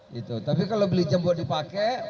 gitu tapi kalau beli jam buat dipakai